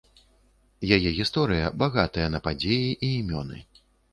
Яе гісторыя багатая на падзеі і імёны.